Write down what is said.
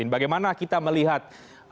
bagaimana kita melihat